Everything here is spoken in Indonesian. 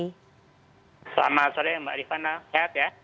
selamat sore mbak rifana sehat ya